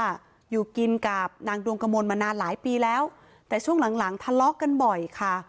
อยู่กินกับนางดวงกระมวลมานานหลายปีแล้วแต่ช่วงหลังหลังทะเลาะกันบ่อยค่ะ